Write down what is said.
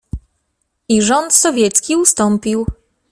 "I rząd sowiecki ustąpił."